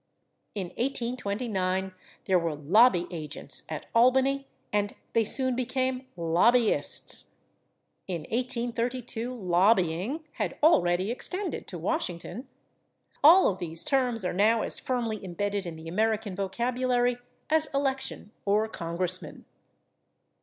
In 1829 there were /lobby agents/ at Albany, and they soon became /lobbyists/; in 1832 /lobbying/ had already extended to Washington. All of these terms are now as firmly imbedded in the American vocabulary as /election/ or /congressman